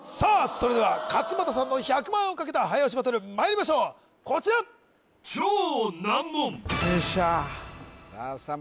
それでは勝間田さんの１００万円をかけた早押しバトルまいりましょうこちらよっしゃ